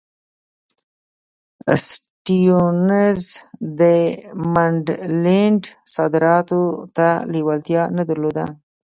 سټیونز د منډلینډ صادراتو ته لېوالتیا نه درلوده.